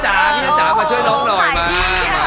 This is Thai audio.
พี่อาจ๋ามาช่วยน้องหน่อยมา